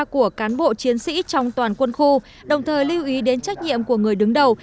của cán bộ chiến sĩ trong toàn quân khu đồng thời lưu ý đến trách nhiệm của người đứng đầu